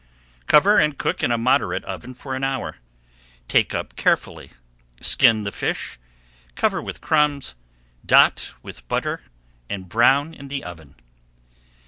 Cover and cook in a moderate oven for an hour. Take up [Page 309] carefully, skin the fish, cover with crumbs, dot with butter, and brown in the oven.